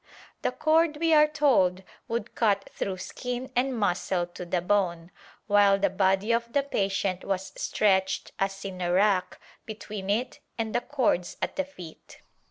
The cord, we are told, would cut through skin and muscle to the bone, while the body of the patient was stretched as in a rack, between it and the cords at the feet.